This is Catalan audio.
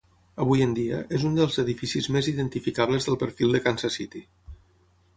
Avui en dia, és un dels edificis més identificables del perfil de Kansas City.